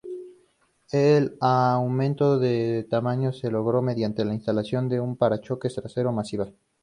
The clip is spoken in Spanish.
El aumento de tamaño se logró mediante la instalación de un parachoques trasero masiva.